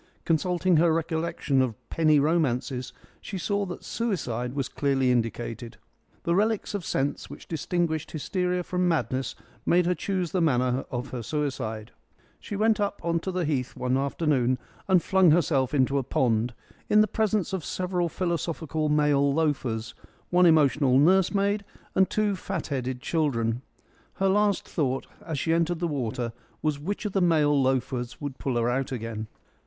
Consulting her recollection of penny romances she saw that suicide was clearly indicated. The relics of sense which distinguish hysteria from madness made her choose the manner of her suicide. She went up on to the Heath one afternoon and flung herself into a pond, in the presence of several philosophical male loafers, one emotional nursemaid, and two fat headed children. Her last thought as she entered the water was which of the male loafers would pull her out again.